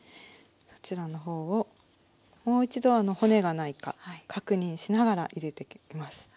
そちらの方をもう一度骨がないか確認しながら入れていきます。